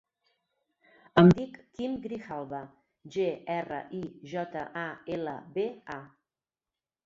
Em dic Quim Grijalba: ge, erra, i, jota, a, ela, be, a.